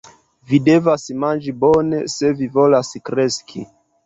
Vi devas manĝi bone, se vi volas kreski.